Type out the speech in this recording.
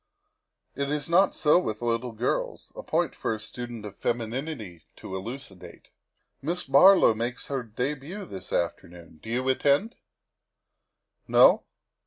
It is not so with little girls. A point for a student of femininity to elucidate. Miss Barlow makes her debut this afternoon, do you attend? No?